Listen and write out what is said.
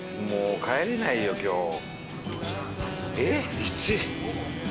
もう帰れないよ今日。